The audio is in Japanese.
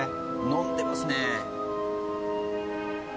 飲んでますねえ。